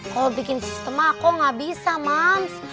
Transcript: kalau bikin sistem aku gak bisa moms